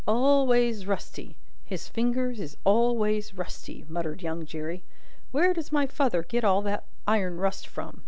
"Al ways rusty! His fingers is al ways rusty!" muttered young Jerry. "Where does my father get all that iron rust from?